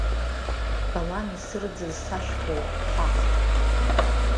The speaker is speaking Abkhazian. Бкалам исырӡыз сашьҭоуп, бҳәахт!